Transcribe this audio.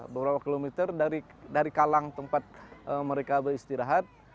beberapa kilometer dari kalang tempat mereka beristirahat